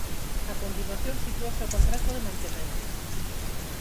A continuación sitúase o contrato de mantemento.